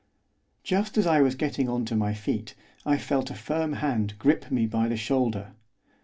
Just as I was getting on to my feet I felt a firm hand grip me by the shoulder.